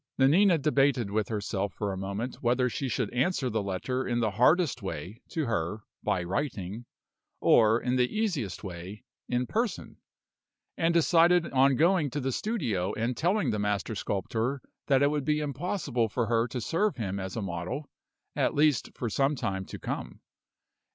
Nanina debated with herself for a moment whether she should answer the letter in the hardest way, to her, by writing, or, in the easiest way, in person; and decided on going to the studio and telling the master sculptor that it would be impossible for her to serve him as a model, at least for some time to come.